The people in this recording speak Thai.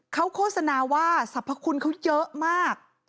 เขาโฆษณาว่าสรรพคุณเขาเยอะมาก